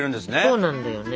そうなんだよね。